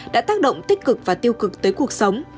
đã tác động tích cực và tiêu cực tới cuộc sống